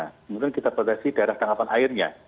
kemudian kita batasi daerah tangkapan airnya